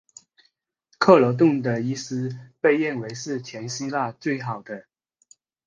克罗顿的医师被认为是全希腊最好的。